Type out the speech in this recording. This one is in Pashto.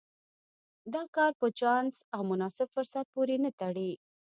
دا کار په چانس او مناسب فرصت پورې نه تړي.